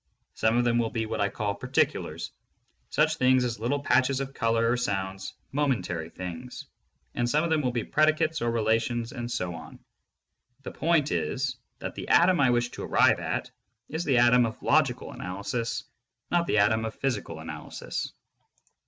Some of them will be what I call "particulars," — such things as little patches of color or sounds, momentary things — and some of them will be predicates or relations and so on. The point is that the atom I wish to arrive at is the atom of logical analysis, not the atom of physical analysis.